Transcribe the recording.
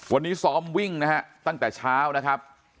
วันนี้ซ้อมวิ่งนะฮะตั้งแต่เช้านะครับ